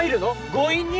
強引に？